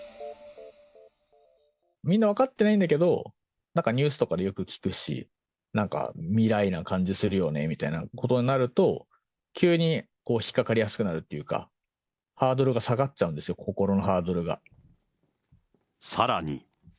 みんな分かってないんだけど、なんかニュースとかでよく聞くし、なんか未来な感じするよねみたいなことになると、急にこう、引っ掛かりやすくなるというか、ハードルが下がっちゃうんですよ、さらに。